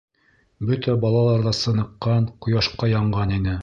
Бөтә балалар ҙа сыныҡҡан, ҡояшҡа янған ине.